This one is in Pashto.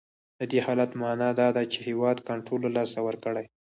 د دې حالت معنا دا ده چې هیواد کنټرول له لاسه ورکړی.